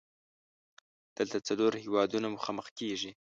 دلته څلور هیوادونه مخامخ کیږي.